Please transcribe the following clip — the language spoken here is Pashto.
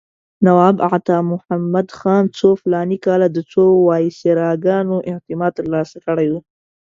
نواب عطامحمد خان څو فلاني کاله د څو وایسراګانو اعتماد ترلاسه کړی و.